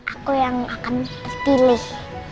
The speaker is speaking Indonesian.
aku yang akan pilih